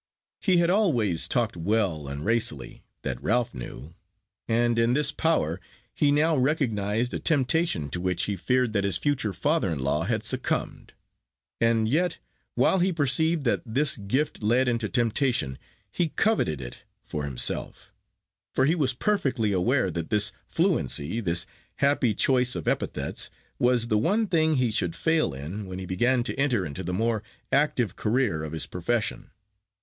He had always talked well and racily, that Ralph knew, and in this power he now recognised a temptation to which he feared that his future father in law had succumbed. And yet, while he perceived that this gift led into temptation, he coveted it for himself; for he was perfectly aware that this fluency, this happy choice of epithets, was the one thing he should fail in when he began to enter into the more active career of his profession.